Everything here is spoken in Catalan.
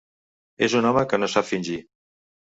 És un home que no sap fingir.